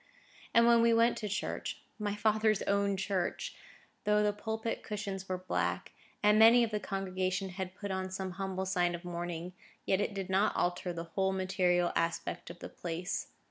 And when we went to church,—my father's own church,—though the pulpit cushions were black, and many of the congregation had put on some humble sign of mourning, yet it did not alter the whole material aspect of the place.